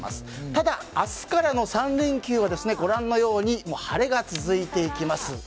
ただ、明日からの３連休は晴れが続いていきます。